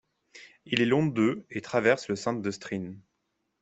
Il est long de et traverse le centre de Stryn.